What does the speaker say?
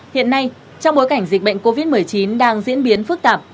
hiện nay trong bối cảnh dịch bệnh covid một mươi chín đang diễn biến phức tạp